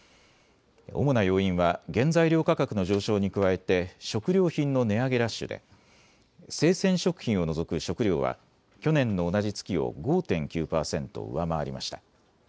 主な要因は原材料価格の上昇に加えて食料品の値上げラッシュで生鮮食品を除く食料は去年の同じ月を５．９％上回りました。